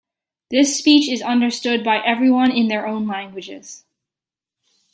This speech is understood by everyone in their own languages.